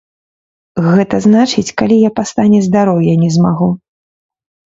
Гэта значыць, калі я па стане здароўя не змагу.